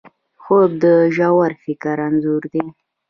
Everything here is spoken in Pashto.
خوب د ژور فکر انځور دی